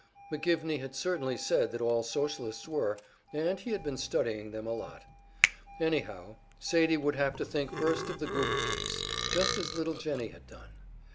McGivney had certainly said that all Socialists were, and he had been studying them a lot. Anyhow, Sadie would have to think first of the Goober case, just as little Jennie had done.